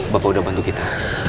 bapak udah bantu kita